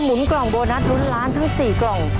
หนกล่องโบนัสลุ้นล้านทั้ง๔กล่อง